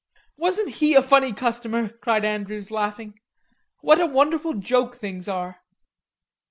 "Wasn't he a funny customer?" cried Andrews, laughing. "What a wonderful joke things are!"